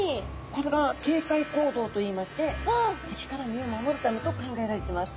これが警戒行動といいまして敵から身を守るためと考えられてます。